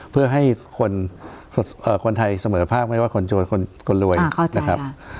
เพื่อให้คนไทยเสมอภาพไม่ว่าคนโจรคนรวยนะครับ